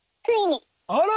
あら！